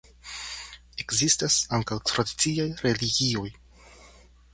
Ekzistas ankaŭ tradiciaj religioj.